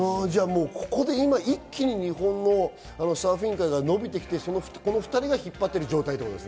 ここで一気に日本のサーフィン界が伸びてきて、この２人が引っ張っている状態ということです